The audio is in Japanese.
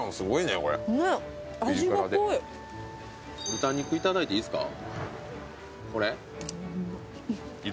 豚肉いただいていいですか。